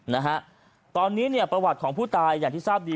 นะฮะตอนนี้เนี่ยประวัติของผู้ตายอย่างที่ทราบดี